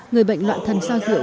người bệnh loạn thần do rượu